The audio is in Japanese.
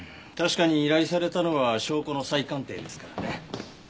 確かに依頼されたのは証拠の再鑑定ですからね。